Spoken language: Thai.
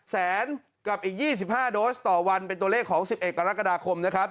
แสนกับอีก๒๕โดสต่อวันเป็นตัวเลขของ๑๑กรกฎาคมนะครับ